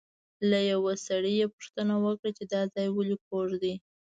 له یوه سړي یې پوښتنه وکړه چې دا ځای ولې کوږ دی.